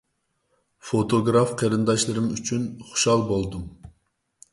فوتوگراف قېرىنداشلىرىم ئۈچۈن خۇشال بولدۇم.